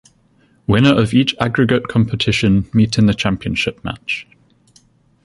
Winner of each aggregate competition meet in the Championship match.